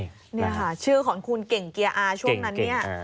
นี่ค่ะชื่อของคุณเก่งเกียร์อาช่วงนั้นเนี่ย